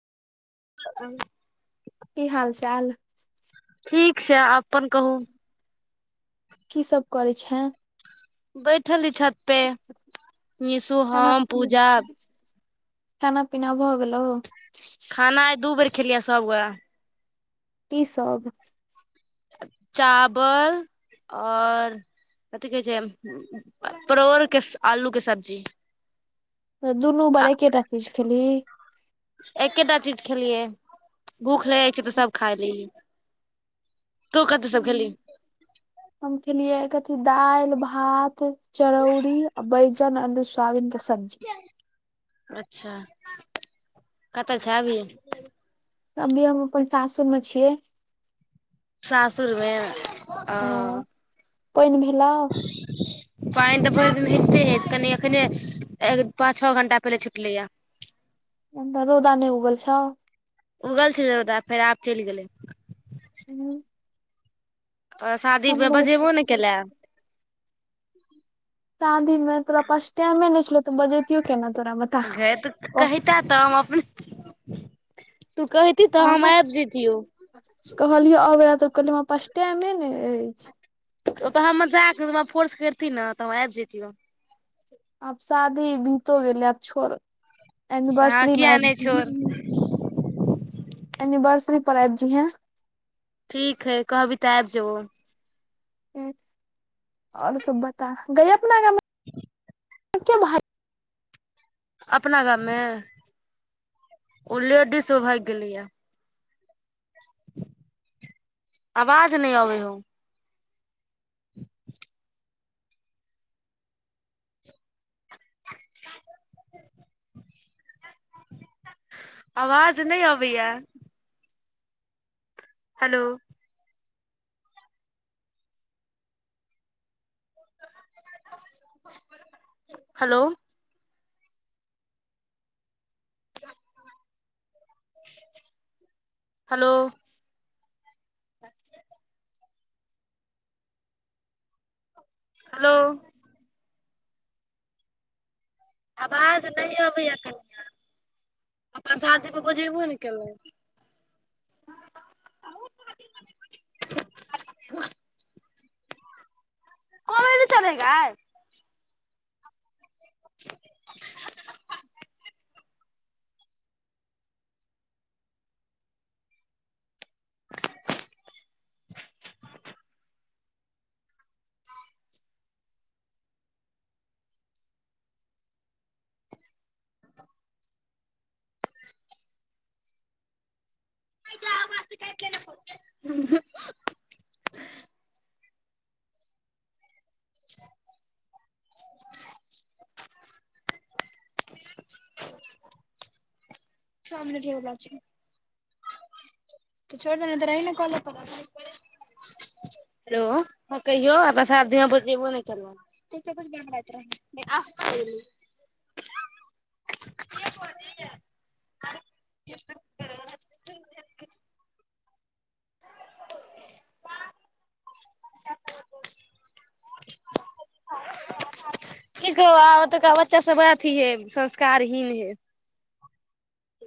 आव। की हाल चाल? ठीक छै आ अपन कहू। की सब करैय छै। बैठली छत पे निशु खाना हम पूजा खाना पीना भऽ गेलो। खाना आइ दू बेर खेलियै सभगोरा कि सब चावल आओर कथि कहै छै, परोर के आलू के सब्जी दुनू बर आ एकेटा चीज खेलही एकेटा चीज खेलियै भूख लेै छ तऽ सब खाय लैलि तू कथी सब खेली हम खेलियै कथी दाईल भात चरौरी आ बैगन अल्लु सोयाबीन के सब्जी अच्छा कतऽ छैए अभी अभी हम अपन सासुर में छियै। सासुरमे अ पानि भेलौ [inaudible] पाईन तऽ भईर दिन होते हे कनि एखने पाँच छओ घं्टा पहिले छुटलैया अ त रौदा नय उगल छउ। उगल छै रौंदा फेर आब चईल गेलै। हूँ आ शादी में बजेबो ने केलए शादीमे तोरा पास टायममे ने छलउ तऽ बजबतियौ केना तोरा बता गै तऽ ओह कहिता तऽ हम अपने तू कहति तऽ हम आइब जेतियौ कहलिय अबाइ तऽ कहलिय हम पास टेमे ने अएछ। ओ तऽ हम मजाक मेंऽहमरा फोर्स करति न तऽ हम आइब जेतियौ। आब शादी बीतो गेलै आब छोड़ हँ एनिवर्सरी मे किया आ नहि छोड़ एनिवर्सरी पर आईब जहिहैं ठीक हई कहबीही तऽ आइब जेबौ। आओर सब बता गय अपना गाँव [inaudible] कै भा [unintelligible] अपना गाम मे ओ लेडीस भाइग गेलैए। आवाज नई अबे हो [inaudible] [inaudible] आवाज नई अबैया हेलो हेलो त [inaudible] हेलो हेलो आबाज नएय अबैया कनियाँ और शादी को बुझेबो ने केलउँ कमेडी चले हैं गाई [inaudible] [inaudible] कनि काईट लै न फोन गे हुं -हुं -हुँ सब मिलहै बला छइ तऽ छोइड़ दही न तऽ रहहि ने कॉलै पर हेलो। हं कहियो अप सात दिन बजेबो नय करबऽ। [unintelligible] बंगराइत रहै छय, गय आ के बजैयै? [unintelligible] की कहू आ ओतुका बच्चा सब बा अथी हय, संस्कारहीन हय।